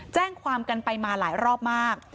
แจ้งความกันไปมาหลายรอบมาก